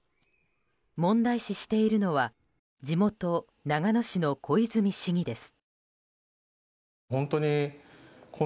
問題視しているのは地元・長野市の小泉市議です。